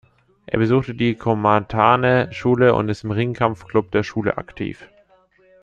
Er besucht die Komatane-Schule und ist im Ringkampf-Club der Schule aktiv.